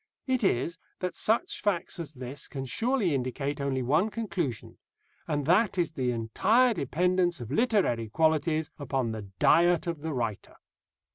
It is, that such facts as this can surely indicate only one conclusion, and that is the entire dependence of literary qualities upon the diet of the writer.